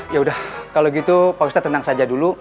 yaudah kalau gitu pak ustadz tenang saja dulu